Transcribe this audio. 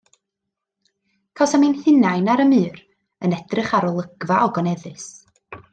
Cawsom ein hunain ar y mur, yn edrych ar olygfa ogoneddus.